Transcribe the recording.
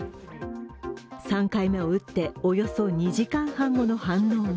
３回目を打っておよそ２時間半後の反応は